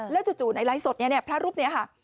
แล้วจู่ในไร้สดนี้พระรูปนี้